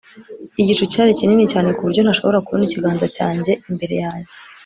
igicu cyari kinini cyane ku buryo ntashobora kubona ikiganza cyanjye imbere yanjye